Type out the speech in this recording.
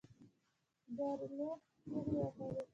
ګارلوک چیغې وهلې.